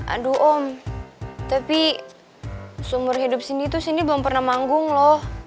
aduh om tapi sumber hidup sindi tuh sindi belum pernah manggung loh